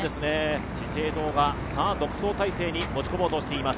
資生堂が独走体制に持ち込もうしています。